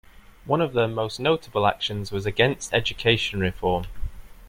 One of their most notable actions was against education reform.